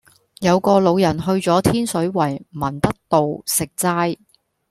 有個老人去左天水圍民德路食齋